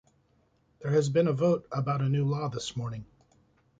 There has been a vote about a new law this morning.